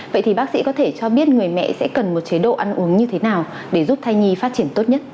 vậy thì bác sĩ có thể cho biết người mẹ sẽ cần một chế độ ăn uống như thế nào để giúp thai nhi phát triển tốt nhất